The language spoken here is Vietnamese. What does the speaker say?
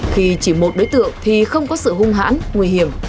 khi chỉ một đối tượng thì không có sự hung hãn nguy hiểm